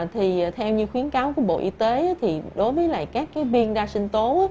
thì theo như khuyến cáo của bộ y tế thì đối với các viên đa sinh tố